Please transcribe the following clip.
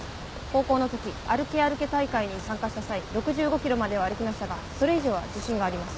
高校のとき歩け歩け大会に参加した際６５ｋｍまでは歩きましたがそれ以上は自信がありません。